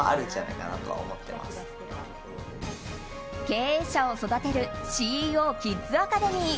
経営者を育てるＣＥＯキッズアカデミー。